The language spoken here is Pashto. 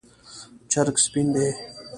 چرګ سپین دی